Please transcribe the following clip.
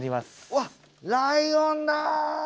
あっわあライオンだ！